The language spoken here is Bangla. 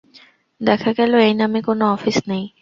দেখা গেল এই নামে কোনো অফিস নেই।